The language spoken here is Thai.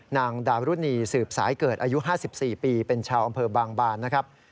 นางดารุณีสืบสายเกิดอายุ๕๔ปีเป็นชาวอำเภอบางบานนะครับ